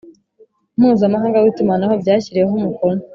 Mpuzamahanga w Itumanaho byashyiriweho umukono